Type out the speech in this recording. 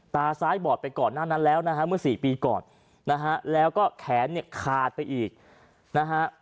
ตาซ้ายบอดไปก่อนหน้านั้นแล้วนะฮะเมื่อสี่ปีก่อนนะฮะแล้วก็แขนเนี่ยขาดไปอีกนะฮะ